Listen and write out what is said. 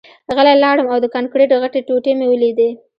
غلی لاړم او د کانکریټ غټې ټوټې مې ولیدې